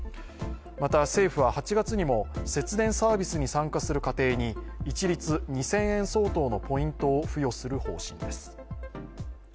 また、政府は８月にも節電サービスに参加する家庭に一律２０００円相当のポイントを付与する方針です。